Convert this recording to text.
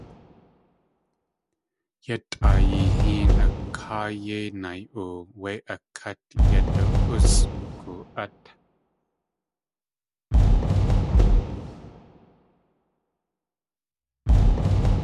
Yatʼaayi héen a káa yéi nay.oo wéi a kát yadu.usʼku át!